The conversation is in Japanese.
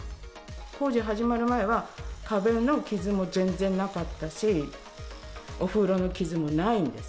工事始まる前は、壁の傷も全然なかったし、お風呂の傷もないんです。